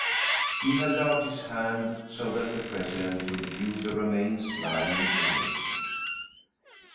He held out his hand so that the president could view the remains lying in it.